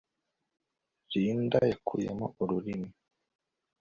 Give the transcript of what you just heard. linda yakuyemo ururimi